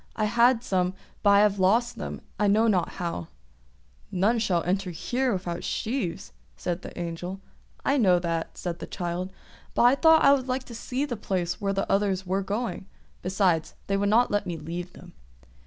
"I had some, but I have lost them, I know not how." "None enter here without sheaves," said the Angel. "I know that," said the child. "But I thought I would like to see the place where the others were going; besides, they would not let me leave them."